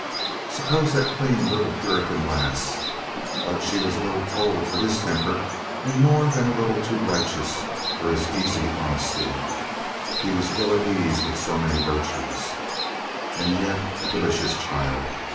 Suppose that clean little Puritan lass — but she was a little cold for his temper and more than a little too righteous for his easy hon esty. He was ill at ease with so many virtues. And yet a delicious child.